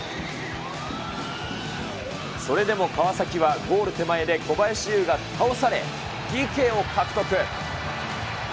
それでも川崎は、ゴール手前で小林悠が倒され、ＰＫを獲得。